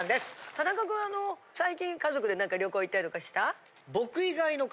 田中君あの最近家族で旅行行ったりとかした？